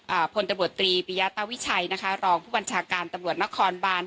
อ่าพลตบตรีปริยะตาวิชัยนะคะรองผู้บัญชาการตำลวดนครบาน